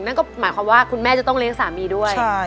นั่นก็หมายความว่าคุณแม่จะต้องเลี้ยงสามีด้วย